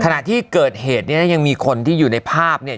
ขณะที่เกิดเหตุเนี่ยยังมีคนที่อยู่ในภาพเนี่ย